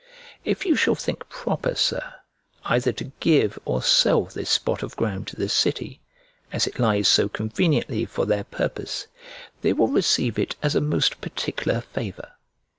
If you shall think proper, Sir, either to give or sell this spot of ground to the city, as it lies so conveniently for their purpose, they will receive it as a most particular favour.